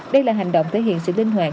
đây là hành động thể hiện sự linh hoạt